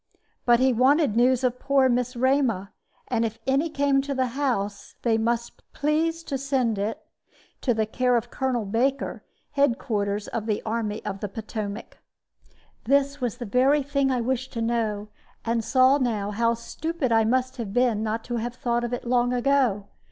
But he wanted news of poor Miss 'Rema; and if any came to the house, they must please to send it to the care of Colonel Baker, headquarters of the Army of the Potomac. This was the very thing I wished to know, and I saw now how stupid I must have been not to have thought of it long ago.